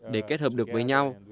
để kết hợp được với nhau